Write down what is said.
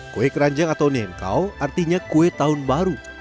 kue keranjang atau nengkau artinya kue tahun baru